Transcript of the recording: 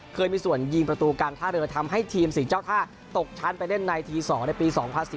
เคยมีส่วนยิงประตูการท่าเรือทำให้ทีมศรีเจ้าท่าตกชั้นไปเล่นในที๒ในปี๒๐๑๙